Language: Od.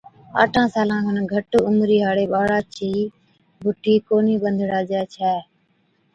آٺان سالان کن گھٽ عمرِي ھاڙي ٻاڙا چِي بُٺِي ڪونھِي ٻنڌڙاجَي ڇَي۔